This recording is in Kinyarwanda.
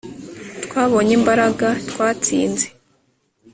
twabonye imbaraga twatsinze